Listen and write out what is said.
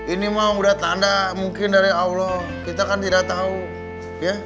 ini mah udah tanda mungkin dari allah kita kan tidak tahu ya